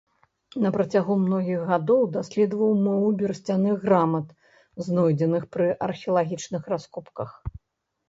На працягу многіх гадоў даследаваў мову берасцяных грамат, знойдзеных пры археалагічных раскопках.